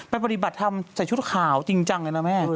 ปฏิบัติธรรมใส่ชุดขาวจริงจังเลยนะแม่